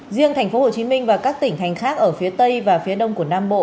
riêng tp hcm và các tỉnh thành khác ở phía tây và phía đông của nam bộ